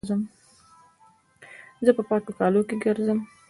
زه په پاکو کالو کښي ګرځم.